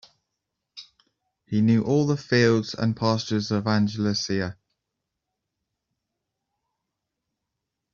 He knew all the fields and pastures of Andalusia.